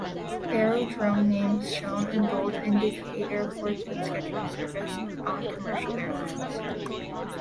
Aerodrome names shown in bold indicate airports with scheduled service on commercial airlines.